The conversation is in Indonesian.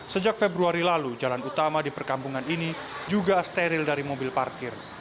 sejak februari lalu jalan utama di perkampungan ini juga steril dari mobil parkir